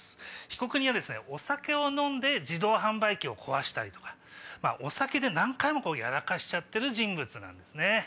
被告人はですねお酒を飲んで自動販売機を壊したりとかお酒で何回もやらかしちゃってる人物なんですね。